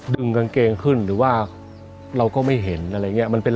ดึงกางเกงขึ้นหรือว่าเราก็ไม่เห็นอะไรอย่างเงี้ยมันเป็น